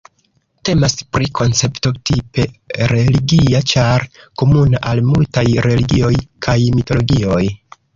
Temas pri koncepto tipe religia ĉar komuna al multaj religioj kaj mitologioj.